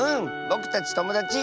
ぼくたちともだち！